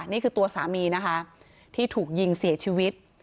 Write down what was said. นี่คือตัวสามีนะคะที่ถูกยิงเสียชีวิต